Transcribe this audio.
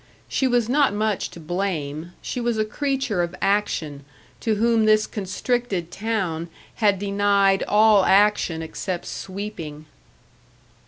She was not much to blame; she was a creature of action to whom this constricted town had denied all action except sweeping.